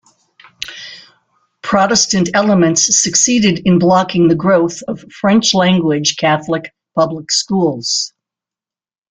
Protestant elements succeeded in blocking the growth of French-language Catholic public schools.